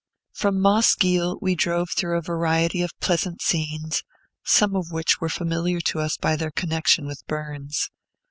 From Moss Giel we drove through a variety of pleasant scenes, some of which were familiar to us by their connection with Burns.